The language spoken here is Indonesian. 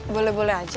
boleh boleh aja